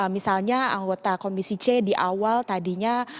misalnya anggota komisi c di awal tadinya